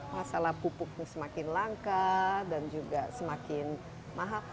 masalah pupuknya semakin langka dan juga semakin mahal